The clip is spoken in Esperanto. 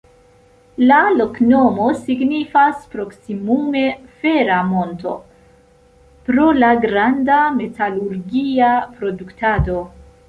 La loknomo signifas proksimume "fera monto" pro la granda metalurgia produktado.